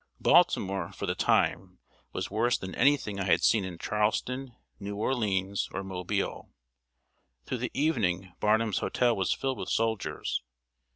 Baltimore, for the time, was worse than any thing I had seen in Charleston, New Orleans, or Mobile. Through the evening Barnum's hotel was filled with soldiers.